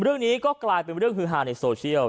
เรื่องนี้ก็กลายเป็นเรื่องฮือฮาในโซเชียล